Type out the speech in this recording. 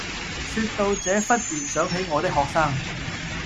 說到這忽然想起我的學生